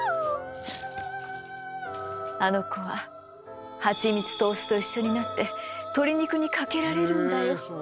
あの子ははちみつとお酢と一緒になって鶏肉にかけられるんだよ。